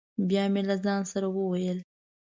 بیا مې له ځانه سره وویل: